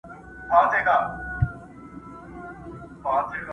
o يار له جهان سره سیالي کومه ښه کومه .